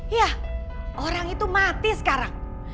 ya orang itu mati sekarang